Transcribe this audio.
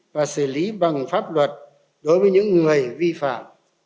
và xử lý bằng pháp luật đối với những người vi phạm